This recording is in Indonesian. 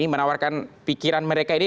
menawarkan pikiran mereka ini